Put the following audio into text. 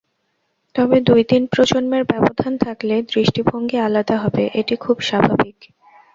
তবে দুই-তিন প্রজন্মের ব্যবধান থাকলে দৃষ্টিভঙ্গি আলাদা হবে, এটি খুব স্বাভাবিক।